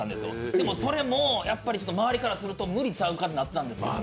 でも、それも周りからすると、無理ちゃうかということやったんです。